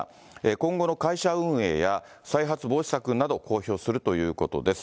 今後の会社運営や、再発防止策など、公表するということです。